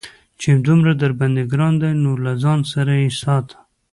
چې دومره درباندې گران دى نو له ځان سره يې ساته.